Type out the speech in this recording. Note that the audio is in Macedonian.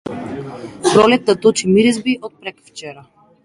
Пролетта точи миризби и од преквчера.